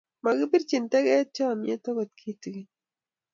Makibirchini teget chomyet agot kitigen